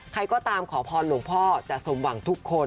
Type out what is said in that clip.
ใครก็ตามขอพรหลวงพ่อจะสมหวังทุกคน